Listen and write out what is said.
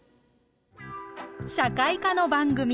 社会科の番組。